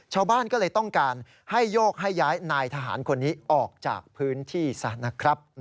ชาวบ้านก็เลยต้องการให้โยกให้ย้ายนายทหารคนนี้ออกจากพื้นที่ซะนะครับ